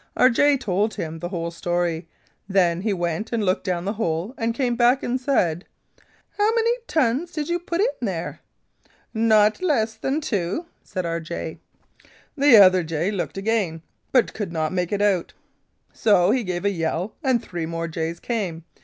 Our jay told him the whole story. Then he went and looked down the hole and came back and said: 'How many tons did you put in there?' 'Not less than two,' said our jay. "The other jay looked again, but could not make it out; so he gave a yell and three more jays came.